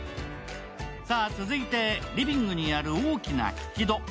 さあ、続いてリビングにある大きな引き戸。